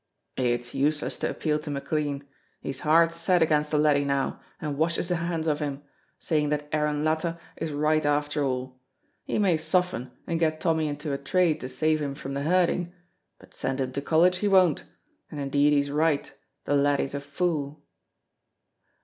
"It's useless to appeal to McLean. He's hard set against the laddie now and washes his hands of him, saying that Aaron Latta is right after all. He may soften, and get Tommy into a trade to save him from the herding, but send him to college he won't, and indeed he's right, the laddie's a fool."